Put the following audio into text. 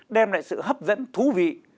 đem lại sự hấp dẫn thú vị